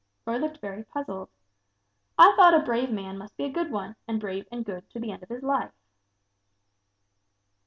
Roy looked very puzzled. "I thought a brave man must be a good one, and brave and good to the end of his life."